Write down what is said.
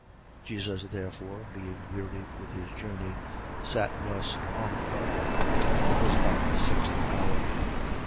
Jesus therefore, being wearied with his journey, sat thus on the well. It was about the sixth hour.